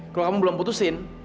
kalau kamu belum putusin